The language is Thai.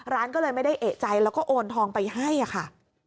ร้านก็เลยไม่ได้เอกใจแล้วก็โอนทองไปให้ค่ะ